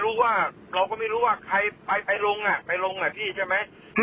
เราก็ไม่รู้ว่าใครไปลงไปลงอ่ะพี่ใช่ไหม